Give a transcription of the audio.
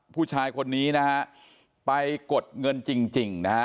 ผู้ชายคนนี้นะฮะไปกดเงินจริงนะฮะ